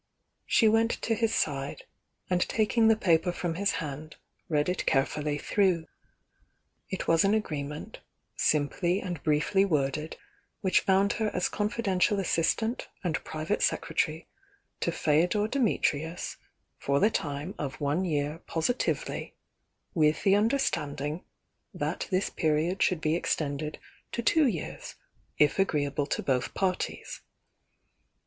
She went to his side, an<l taking tlio paper from his hand, read it carefully through. It was an agree ment, simply and briefly worded, which bound her as_ confiflentU assistant and private secretary 'o Feodor Dimitrius for the time of one year positively, with the understanding that this period should be extended to two years, if agreeable to both parties.